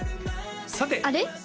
さてあれ？